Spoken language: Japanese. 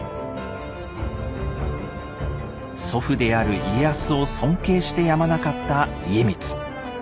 祖父である家康を尊敬してやまなかった家光。